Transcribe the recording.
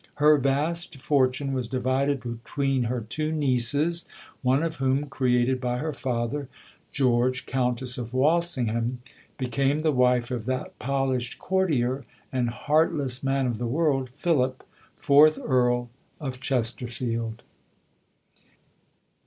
Her vast fortune was divided between her two "nieces," one of whom, created by her father, George, Countess of Walsingham, became the wife of that polished courtier and heartless man of the world, Philip, fourth Earl of Chesterfield.